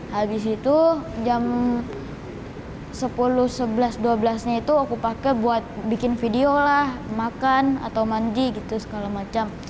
habis itu jam sepuluh sebelas dua belas nya itu aku pakai buat bikin video lah makan atau manji gitu segala macam